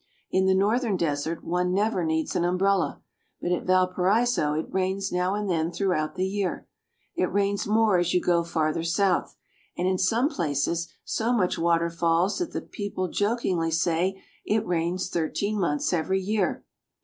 In the northern desert one never needs an umbrella, but at Valparaiso it rains now and then throughout the year. It rains more as you go farther south, and in some places so much water falls that the people jokingly say it rains thirteen months every year.